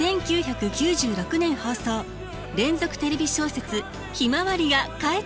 １９９６年放送連続テレビ小説「ひまわり」が帰ってくる。